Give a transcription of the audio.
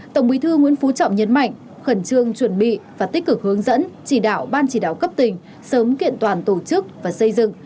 tổng bí thư nguyễn phú trọng nhấn mạnh khẩn trương chuẩn bị và tích cực hướng dẫn chỉ đạo ban chỉ đạo cấp tỉnh sớm kiện toàn tổ chức và xây dựng